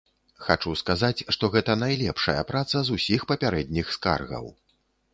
Хачу сказаць, што гэта найлепшая праца з усіх папярэдніх скаргаў.